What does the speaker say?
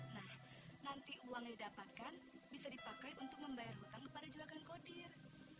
nah nanti uang yang didapatkan bisa dipakai untuk membayar hutang kepada juragan kodir